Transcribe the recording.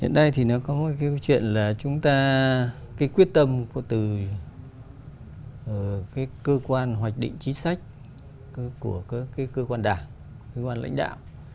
hiện nay thì nó có một câu chuyện là chúng ta quyết tâm từ cơ quan hoạch định trí sách của cơ quan đảng cơ quan lãnh đạo